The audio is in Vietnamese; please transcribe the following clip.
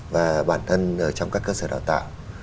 và bản thân trong các cơ sở đào tạo